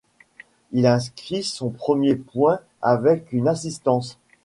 Il inscrit son premier point avec une assistance.